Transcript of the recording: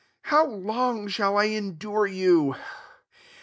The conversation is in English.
how long shall I endure you